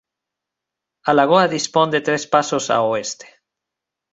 A lagoa dispón de tres pasos ao oeste.